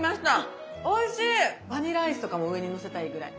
バニラアイスとかも上にのせたいぐらい。